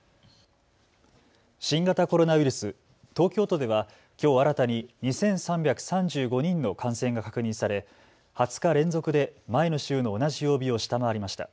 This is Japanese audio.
新型コロナウイルス、東京都ではきょう新たに２３３５人の感染が確認され２０日連続で前の週の同じ曜日を下回りました。